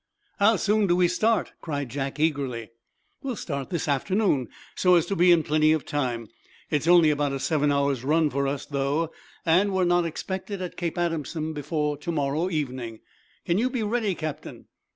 "How soon do we start?" cried Jack, eagerly. "We'll start this afternoon, so as to be in plenty of time. It's only about a seven hours' run for us, though, and we're not expected at Cape Adamson before to morrow evening. Can you be ready, Captain?"